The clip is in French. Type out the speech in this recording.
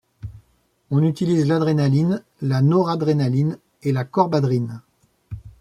On utilise l'adrénaline, la noradrénaline et la corbadrine.